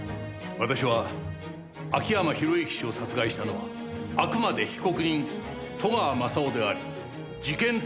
私は秋山博之氏を殺害したのはあくまで被告人戸川雅夫であり事件